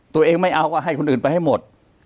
ตัวเองไม่เอาก็ให้คนอื่นไปให้หมด